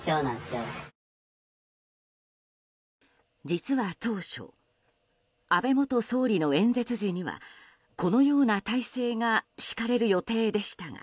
実は当初安倍元総理の演説時にはこのような態勢が敷かれる予定でしたが